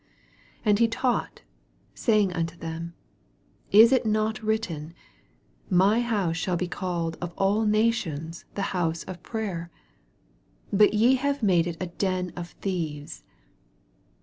17 And he taught, saying unto them, Is it not written, My house shall be called of all nations the house of prayer ? but ye have made it a den of thieves.